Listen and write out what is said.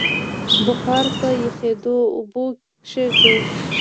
بخار په یخېدو اوبه کېږي.